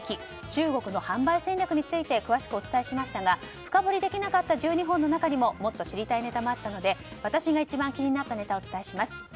中国の販売戦略について詳しくお伝えしましたが深掘りできなかった１２本の中にももっと知りたいネタがあったので私が一番気になったネタをお伝えします。